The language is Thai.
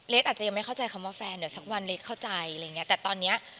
อาจจะยังไม่เข้าใจคำว่าแฟนเดี๋ยวสักวันเล็กเข้าใจอะไรอย่างเงี้แต่ตอนเนี้ย